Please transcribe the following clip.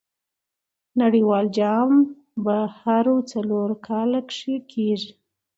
نړۍوال جام په هرو څلور کاله کښي کیږي.